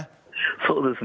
そうですね。